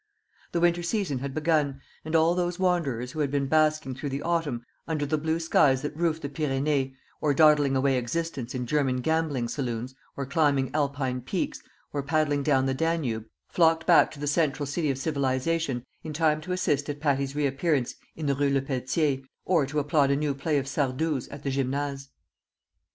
The winter season had begun; and all those wanderers who had been basking through the autumn under the blue skies that roof the Pyrenees, or dawdling away existence in German gambling saloons, or climbing Alpine peaks, or paddling down the Danube, flocked back to the central city of civilization in time to assist at Patti's reappearance in the Rue Lepelletier, or to applaud a new play of Sardou's at the Gymnase.